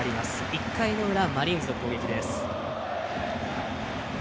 １回の裏、マリーンズの攻撃です。